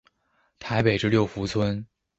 台北至六福村。